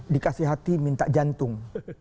dikasih hati minta jantung